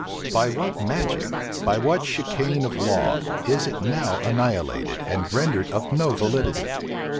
By what magic, what chicane of law, is it now annihilated, and rendered of no validity?